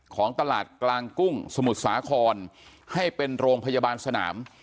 ของตลาดกลางกุ้งสมุทรสาครให้เป็นโรงพยาบาลสนาม